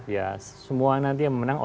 ya semua nanti yang menang